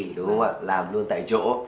đúng không ạ làm luôn tại chỗ